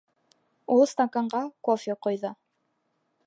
Ул стаканға кофе ҡойҙо.